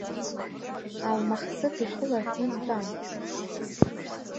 Алмахсыҭ ихы ларҟәны дтәан.